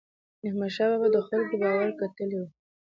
احمدشاه بابا د خلکو باور ګټلی و.